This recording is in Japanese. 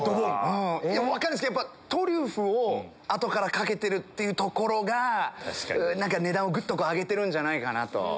分かんないですけどトリュフを後からかけてるところが何か値段をぐっと上げてるんじゃないかなと。